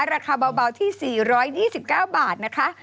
ราคาเบาที่๔๒๙บาทนะคะ